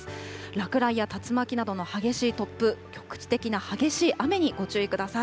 落雷や竜巻などの激しい突風、局地的な激しい雨にご注意ください。